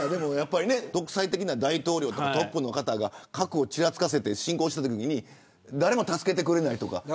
やっぱり独裁的な大統領が、トップの方が核をちらつかせて侵攻したときに誰も助けてくれないとか。